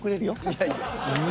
いやいや。